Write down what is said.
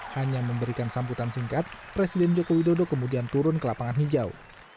hanya memberikan sambutan singkat presiden joko widodo kemudian turun ke lapangan hijau